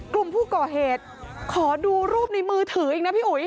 กลุ่มผู้ก่อเหตุขอดูรูปในมือถืออีกนะพี่อุ๋ย